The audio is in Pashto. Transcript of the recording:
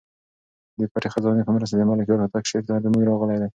د پټې خزانې په مرسته د ملکیار هوتک شعر تر موږ راغلی دی.